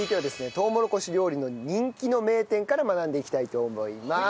とうもろこし料理の人気の名店から学んでいきたいと思います。